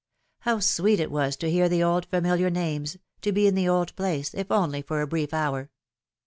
How sweet it was to hear the old familiar names, to be in the old place, if only for a brief hour